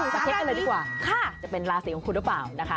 มาเช็คกันเลยดีกว่าจะเป็นราศีของคุณหรือเปล่านะคะ